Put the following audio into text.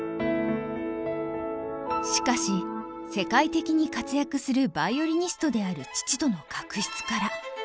しかし世界的に活躍するヴァイオリニストである父との確執から。